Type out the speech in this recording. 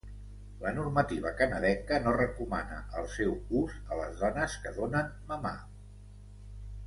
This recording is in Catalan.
La normativa canadenca no recomana el seu ús a les dones que donen mamar.